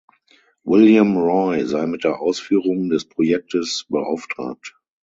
William Roy sei mit der Ausführung des Projektes beauftragt.